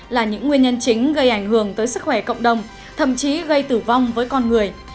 là những nguyên nhân chính gây ảnh hưởng tới sức khỏe cộng đồng thậm chí gây tử vong với con người